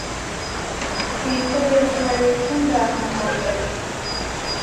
سپېڅلې کړۍ څنګه عمل کوي.